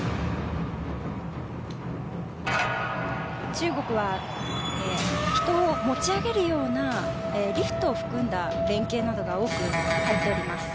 中国は人を持ち上げるようなリフトを含んだ連係などが多く入っております。